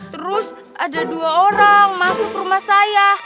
terus ada dua orang masuk rumah saya